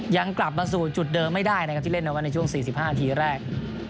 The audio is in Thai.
ยังกลับมาสู่จุดเดิมไม่ได้นะครับที่เล่นเอาไว้ในช่วง๔๕นาทีแรก